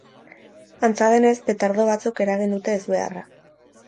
Antza denez, petardo batzuk eragin dute ezbeharra.